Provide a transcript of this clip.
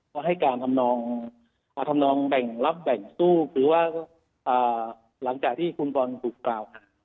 ก็ให้การทำนองแบ่งรับแบ่งสู้หรือว่าหลังจากที่คุณบอลถูกกล่าวหา